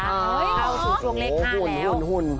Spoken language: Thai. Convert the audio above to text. เข้าถึงช่วงเลข๕แล้ว